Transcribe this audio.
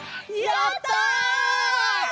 やった！